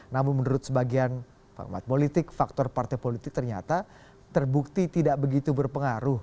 namun menurut sebagian pengamat politik faktor partai politik ternyata terbukti tidak begitu berpengaruh